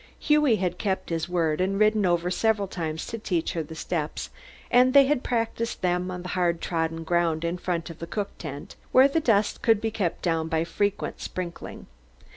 Hughie had kept his word and ridden over several times to teach her the steps, and they had practised them on the hard trodden ground in front of the cook tent, where the dust could be kept down by frequent sprinkling.